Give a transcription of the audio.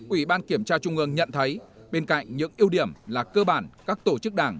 ủy ban kiểm tra trung ương nhận thấy bên cạnh những ưu điểm là cơ bản các tổ chức đảng